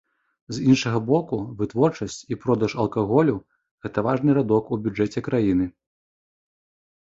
З іншага боку, вытворчасць і продаж алкаголю гэта важны радок у бюджэце краіны.